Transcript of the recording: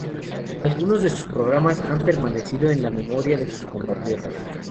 Algunos de sus programas han permanecido en la memoria de sus compatriotas.